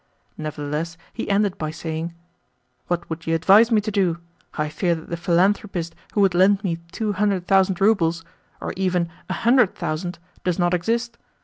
Nevertheless he ended by saying: "What would you advise me to do? I fear that the philanthropist who would lend me two hundred thousand roubles or even a hundred thousand, does not exist.